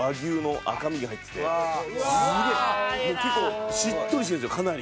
もう結構しっとりしてるんですよかなり。